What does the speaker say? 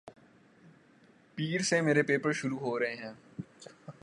پیر سے میرے پیپر شروع ہورہے ھیںـ